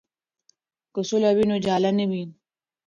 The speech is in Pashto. که سوله وي نو جاله نه وي.